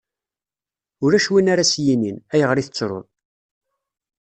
Ulac win ara as-yinin: ayɣer i tettruḍ.